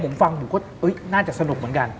ผมฟังหน้าจะสนุกเหมือนกัน